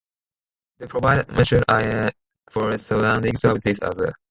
They provide mutual aide for surrounding services as well.